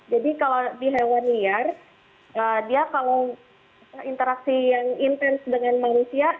jadi kalau di hewan liar dia kalau interaksi yang intens dengan manusia